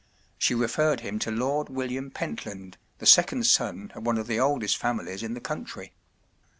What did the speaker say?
She referred him to Lord William Pentland, the second son of one of the oldest families in the country.